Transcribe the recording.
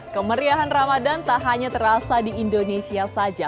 kemeriahan ramadan tak hanya terasa di indonesia saja